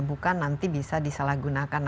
bukan nanti bisa disalahgunakan